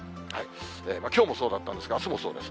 きょうもそうだったんですが、あすもそうです。